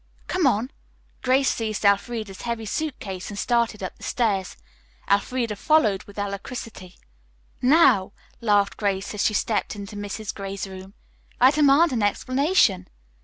"Come on." Grace seized Elfreda's heavy suit case and started up the stairs. Elfreda followed with alacrity. "Now," laughed Grace, as she stepped into Mrs. Gray's room, "I demand an explanation."